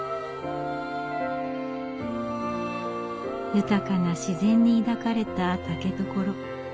豊かな自然に抱かれた竹所。